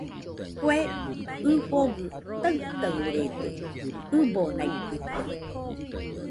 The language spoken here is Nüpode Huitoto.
Kue ifɨgɨ taɨtarede, ɨbonaitɨkue